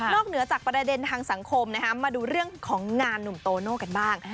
เหนือจากประเด็นทางสังคมมาดูเรื่องของงานหนุ่มโตโน่กันบ้าง